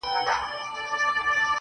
• چي د ښـكلا خبري پټي ساتي.